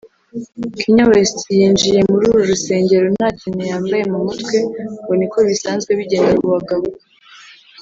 Kanye West we yinjiye muri uru rusengero nta kintu yambaye mu mutwe ngo niko bisanzwe bigenda ku bagabo